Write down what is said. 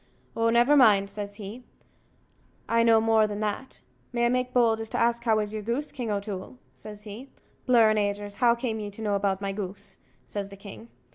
"Oh, never mind," says he, "I know more than that. May I make bold to ask how is your goose, King O'Toole?" says he. "Blur an agers, how came ye to know about my goose?" says the king.